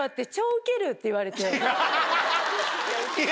ウケる。